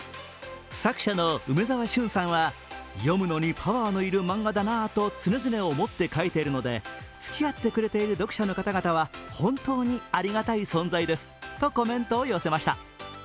作者のうめざわしゅんさんは読むのにパワーがいる漫画だなぁと常々思って描いてるので付き合ってくれている読者の方々は本当にありがたい存在ですとコメントを寄せました。